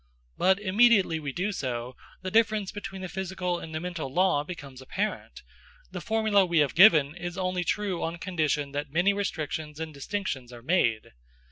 But immediately we do so, the difference between the physical and the mental law becomes apparent. The formula we have given is only true on condition that many restrictions and distinctions are made.